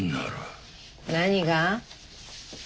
何が？